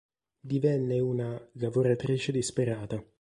Divenne una "lavoratrice disperata".